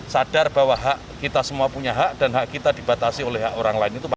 sadar bahwa hak kita semua punya hak dan hak kita dibatasi oleh hak orang lain